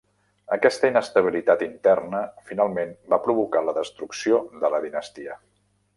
Aquesta inestabilitat interna finalment va provocar la destrucció de la dinastia.